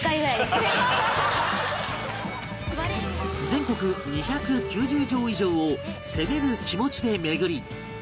全国２９０城以上を攻める気持ちで巡り